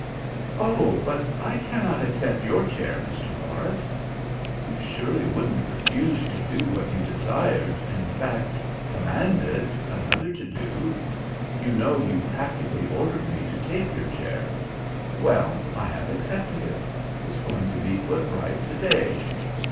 "Oh, but I cannot accept your chair, Mr. Morris." "You surely wouldn't refuse to do what you desired, in fact, commanded, another to do. You know you practically ordered me to take your chair. Well, I have accepted it. It is going to be put right to day.